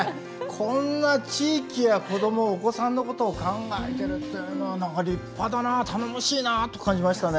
こんな地域や子どもお子さんのことを考えてるっていうのは立派だな頼もしいなって感じましたね。